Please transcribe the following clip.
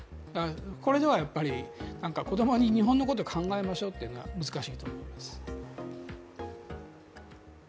これではやっぱり子供に日本のことを考えましょうというのは難しいと思います。